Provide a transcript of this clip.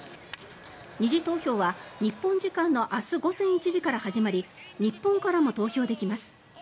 ２次投票は日本時間の明日午前１時から始まり日本からも投票できます。